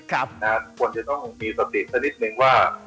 ควรจะต้องมีสติสักนิดนึงว่า